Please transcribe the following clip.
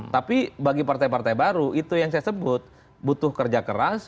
tapi bagi partai partai baru itu yang saya sebut butuh kerja keras